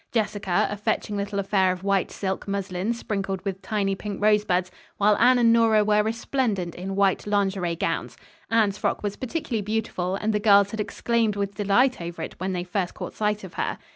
Jessica, a fetching little affair of white silk muslin sprinkled with tiny pink rosebuds; while Anne and Nora were resplendent in white lingerie gowns. Anne's frock was particularly beautiful and the girls had exclaimed with delight over it when they first caught sight of her.